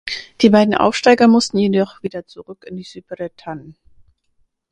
Die beiden Aufsteiger mussten jedoch wieder zurück in die Superettan.